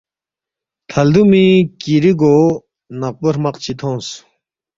تھلدُومی کِیری گو نقپو ہرمق چی تھونگس